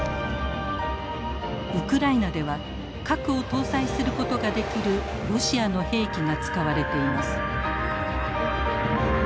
ウクライナでは核を搭載することができるロシアの兵器が使われています。